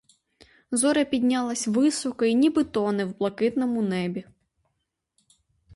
Зоря піднялась високо й ніби тоне в блакитному небі.